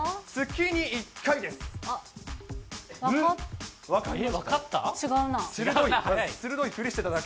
月に１回ですよね。